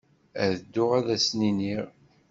Ad dduɣ ad asen-iniɣ.